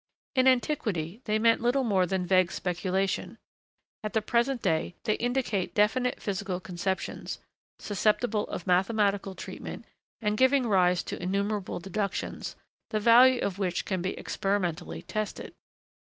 In antiquity, they meant little more than vague speculation; at the present day, they indicate definite physical conceptions, susceptible of mathematical treatment, and giving rise to innumerable deductions, the value of which can be experimentally tested.